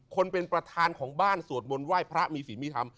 คนเป็นประธานของบ้านสวดมนต์ไหว้พระมีศีลมีธรรม